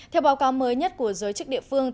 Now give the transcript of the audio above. theo báo cáo mới nhất của giới chức địa phương